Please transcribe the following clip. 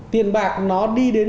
tiền bạc nó đi đến